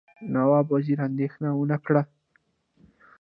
نواب وزیر اندېښنه ونه کړي.